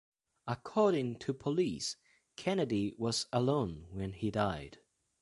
According to police, Kennedy was alone when he died.